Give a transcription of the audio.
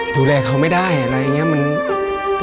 ดูแลเขาไม่ได้อะไรอย่างนี้